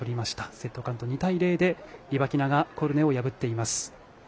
セットカウント２対０でリバキナがコルネを破っています。